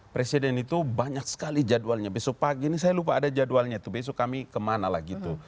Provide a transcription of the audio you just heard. presiden itu banyak sekali jadwalnya besok pagi ini saya lupa ada jadwalnya itu besok kami kemana lah gitu